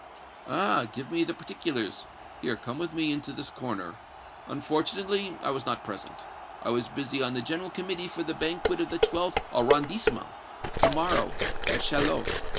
"Ah! give me the particulars; here, come with me into this corner. Unfortunately, I was not present. I was busy on the General Committee for the Banquet of the Twelfth Arrondissement, to morrow, at Chaillot.